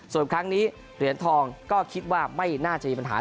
ส่วนครั้งนี้เหรียญทองก็คิดว่าไม่น่าจะมีปัญหา